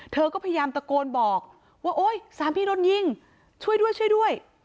เธอก็พยายามตะโกนบอกว่าโอ๊ยสามพี่โดนยิงช่วยด้วยช่วยด้วย